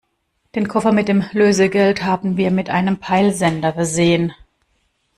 Den Koffer mit dem Lösegeld haben wir mit einem Peilsender versehen.